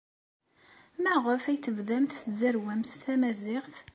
Maɣef ay tebdamt tzerrwemt tamaziɣt?